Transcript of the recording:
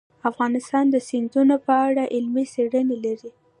افغانستان د سیندونه په اړه علمي څېړنې لري.